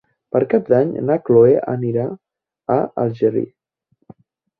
Per Cap d'Any na Cloè anirà a Algerri.